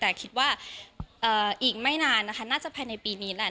แต่คิดว่าอีกไม่นานนะคะน่าจะภายในปีนี้แหละ